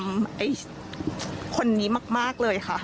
คนนี้มากเลยค่ะ